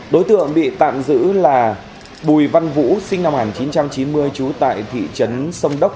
đối tượng bị tạm giữ là bùi văn vũ sinh năm một nghìn chín trăm chín mươi trú tại thị trấn sông đốc